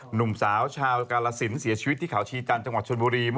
หนุ่มสาวชาวกาลสินเสียชีวิตที่เขาชีจันทร์จังหวัดชนบุรี